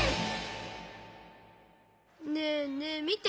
ねえねえみて！